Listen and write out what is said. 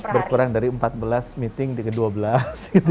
berkurang dari empat belas meeting ke dua belas gitu